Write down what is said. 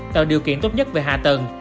tạo điều kiện tốt nhất về hạ tầng